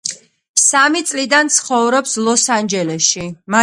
სამი წლიდან ცხოვრობს ლოს-ანჯელესში.